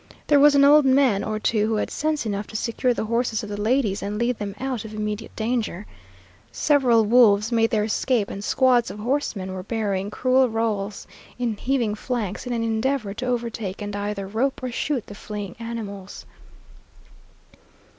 There was an old man or two who had sense enough to secure the horses of the ladies and lead them out of immediate danger. Several wolves made their escape, and squads of horsemen were burying cruel rowels in heaving flanks in an endeavor to overtake and either rope or shoot the fleeing animals.